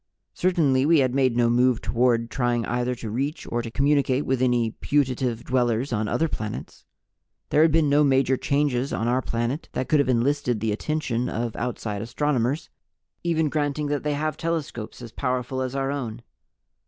Certainly we had made no move toward trying either to reach or to communicate with any putative dwellers on other planets. There had been no major changes on our planet that could have enlisted the attention of outside astronomers, even granting that they have telescopes as powerful as our own.